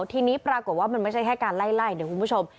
ทีนี้ปรากฏว่ามันไม่ใช่แค่การไล่ไล่เดี๋ยวคุณผู้ชม